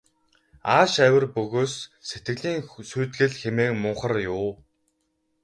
Ааш авир бөгөөс сэтгэлийн сүйтгэл хэмээн мунхар юу.